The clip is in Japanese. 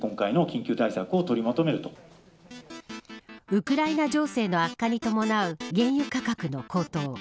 ウクライナ情勢の悪化に伴う原油価格の高騰。